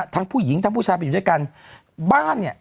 ทั้งผู้หญิงทั้งผู้ชายไปอยู่ด้วยกัน